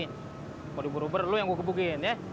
kalau dihubur hubur lo yang gue gebukin ya